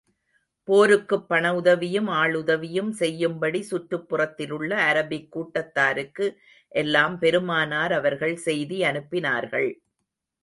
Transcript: போருக்குப் பண உதவியும், ஆள் உதவியும் செய்யும்படி சுற்றுப்புறத்திலுள்ள அரபிக் கூட்டத்தாருக்கு எல்லாம் பெருமானார் அவர்கள் செய்தி அனுப்பினார்கள்.